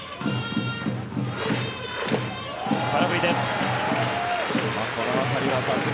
空振りです。